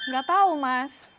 gak tau mas